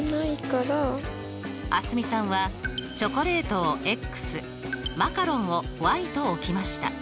蒼澄さんはチョコレートをマカロンをと置きました。